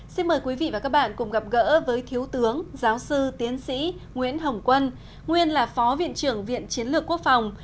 xin mời quý vị và các bạn cùng gặp gỡ với thiếu tướng giáo sư tiến sĩ nguyễn hồng quân nguyên là phó viện trưởng viện chiến lược quốc phòng